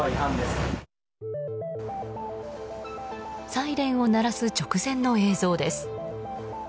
サイレンを鳴らす直前の映像です。